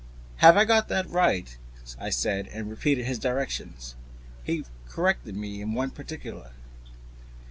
"Have I got that right?" I said, and repeated his directions. He corrected me in one particular.